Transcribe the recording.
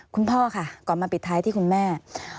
คุณพ่อค่ะก่อนมาปิดท้ายที่คุณแม่